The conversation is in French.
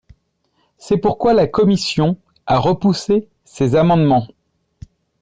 C’est pourquoi la commission a repoussé ces amendements.